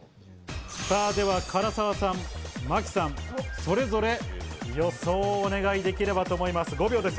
唐沢さん、真木さん、それぞれ予想をお願いできればと思います。